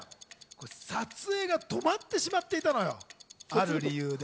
撮影が止まってしまっていたのよ、ある理由で。